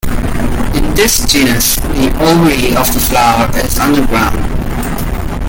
In this genus the ovary of the flower is underground.